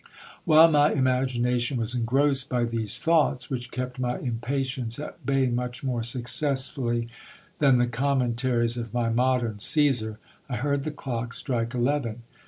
While my imagination was engrossed by these thoughts, which kept my impatience at bay much more successfully than the commentaries of my modern Caesar, I heard the clock strike eleven.